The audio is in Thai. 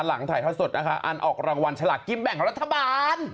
หลังถ่ายทอดสดนะคะอันออกรางวัลสลากกินแบ่งของรัฐบาล